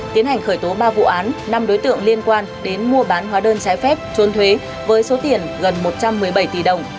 tiến hành khởi tố ba vụ án năm đối tượng liên quan đến mua bán hóa đơn trái phép trôn thuế với số tiền gần một trăm một mươi bảy tỷ đồng